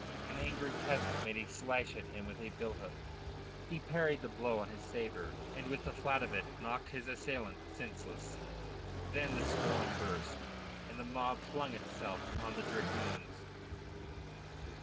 An angry peasant made a slash at him with a billhook. He parried the blow on his sabre, and with the flat of it knocked his assailant senseless. Then the storm burst, and the mob flung itself upon the dragoons.